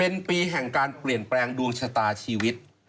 อย่างนักเปรียนแปลงดวงชาตาชีวิต